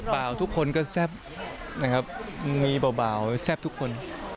ทุกคนก็แซ่บนะครับมีเบาแซ่บทุกคน